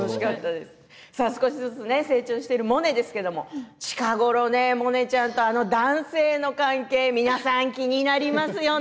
少しずつ成長しているモネですけれども、近ごろモネちゃんとあの男性の関係皆さん、気になりますよね？